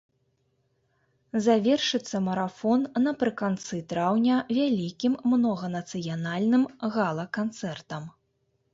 Завершыцца марафон напрыканцы траўня вялікім многанацыянальным гала-канцэртам.